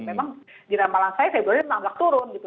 memang di ramalan saya februari nambak turun gitu